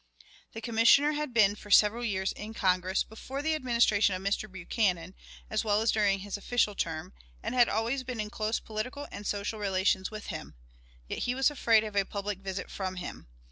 "The Commissioner had been for several years in Congress before the Administration of Mr. Buchanan, as well as during his official term, and had always been in close political and social relations with him; yet he was afraid of a public visit from him.